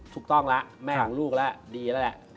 ถูกต้องแล้วแม่ของลูกแล้วดีแล้วแหละ